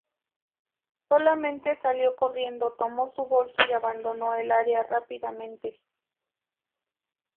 Solamente salió corriendo, tomó su bolso y abandonó el área rápidamente.